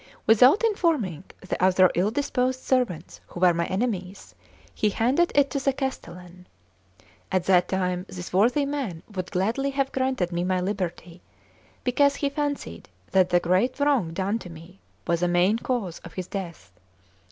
Without informing the other ill disposed servants who were my enemies, he handed it to the castellan. At that time this worthy man would gladly have granted me my liberty, because he fancied that the great wrong done to me was a main cause of his death.